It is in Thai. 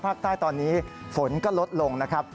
ภาคใต้ตอนนี้ฝนก็ลดลงนะครับ